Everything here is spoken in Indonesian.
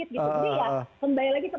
jadi ya kembali lagi